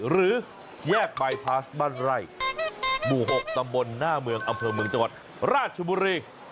หรือแยกบายพาสบ้านไร่หมู่๖ตำบลหน้าเมืองอำเภอเมืองจังหวัดราชบุรี